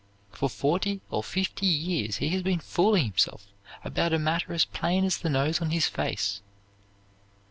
For forty or fifty years he has been fooling himself about a matter as plain as the nose on his face."